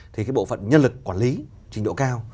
thì bộ phận nhân lực quản lý trình độ cao